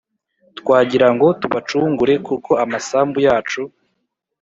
twagira ngo tubacungure kuko amasambu yacu